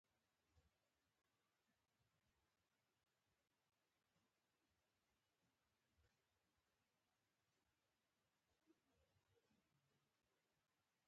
په یو ژېړ رنګه شانداپولي پنځه کړۍ ځلوبۍ کېږي.